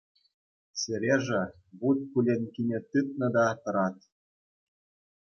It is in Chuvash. Сережа вут пуленккине тытнӑ та тӑрать.